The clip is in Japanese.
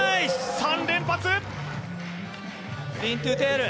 ３連発！